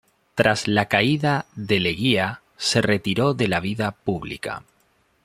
Tras la caída de Leguía se retiró de la vida pública.